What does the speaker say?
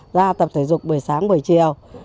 ra tập thể dục buổi sáng buổi chiều